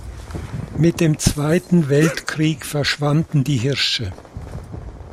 Mit dem Zweiten Weltkrieg verschwanden die Hirsche.